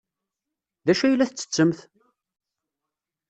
D acu ay la tettettemt?